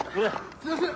すいません！